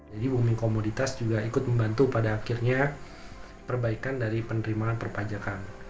jadi bumi komoditas juga ikut membantu pada akhirnya perbaikan dari penerimaan perpajakan